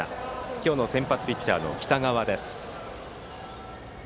今日の先発ピッチャーの北川です。